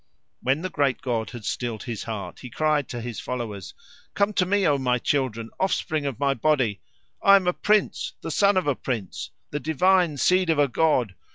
When the great god had stilled his heart, he cried to his followers, "Come to me, O my children, offspring of my body. I am a prince, the son of a prince, the divine seed of a god.